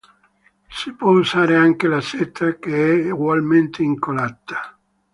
Si può usare anche la seta, che è ugualmente incollata.